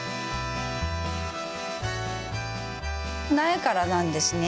苗からなんですね。